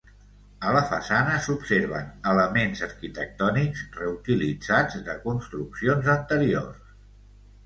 A la façana s'observen elements arquitectònics reutilitzats de construccions anteriors.